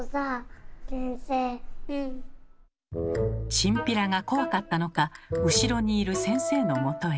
チンピラが怖かったのか後ろにいる先生のもとへ。